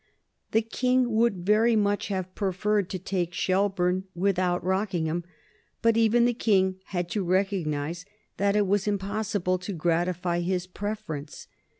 The King would very much have preferred to take Shelburne without Rockingham, but even the King had to recognize that it was impossible to gratify his preference.